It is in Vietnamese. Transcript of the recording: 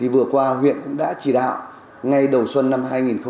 vừa qua huyện cũng đã chỉ đạo ngay đầu xuân năm hai nghìn một mươi chín